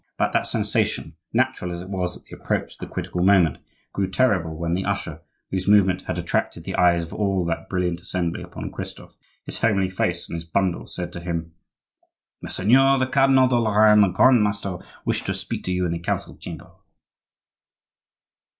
But that sensation, natural as it was at the approach of the critical moment, grew terrible when the usher, whose movement had attracted the eyes of all that brilliant assembly upon Christophe, his homely face and his bundles, said to him:— "Messeigneurs the Cardinal de Lorraine and the Grand master wish to speak to you in the council chamber."